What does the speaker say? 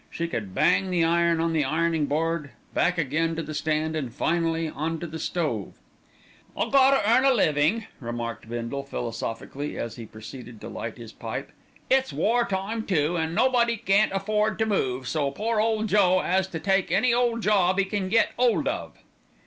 She could bang the iron on the ironing board, back again to the stand, and finally on to the stove. "I got to earn a livin'," remarked Bindle philosophically as he proceeded to light his pipe. "It's war time too, an' nobody can't afford to move, so pore ole Joe 'as to take any ole job 'e can get 'old of."